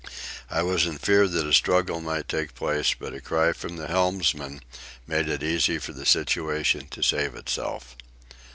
I was in fear that a struggle might take place, but a cry from the helmsman made it easy for the situation to save itself.